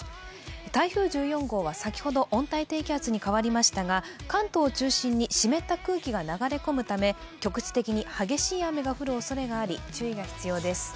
台風１４号は先ほど温帯低気圧に変わりましたが、関東を中心に湿った空気が流れ込むため局地的に激しい雨が降るおそれがあり、注意が必要です。